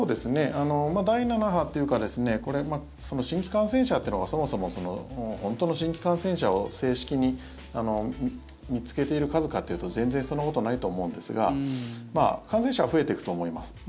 第７波というか新規感染者というのがそもそも本当の新規感染者を正式に見つけている数かというと全然そんなことはないと思うんですが感染者は増えていくと思います。